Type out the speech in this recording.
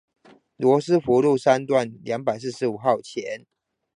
羅斯福路三段二四五號前